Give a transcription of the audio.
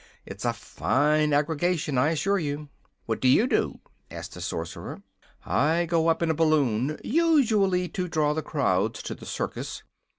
It's a fine aggregation, I assure you." "What do you do?" asked the Sorcerer. "I go up in a balloon, usually, to draw the crowds to the circus.